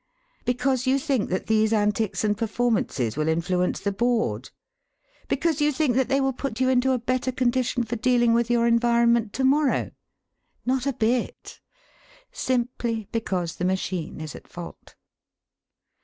Because you think that these antics and performances will influence the Board? Because you think that they will put you into a better condition for dealing with your environment to morrow? Not a bit. Simply because the machine is at fault.